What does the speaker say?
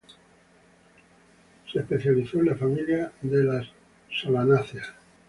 Se especializó en la familia de las solanáceas.